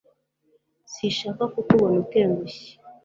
sinshaka kukubona utengushye